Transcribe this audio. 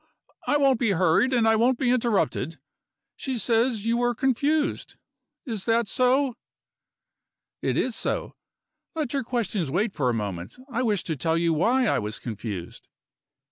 I won't be hurried and I won't be interrupted she says you were confused. Is that so?" "It is so. Let your questions wait for a moment. I wish to tell you why I was confused."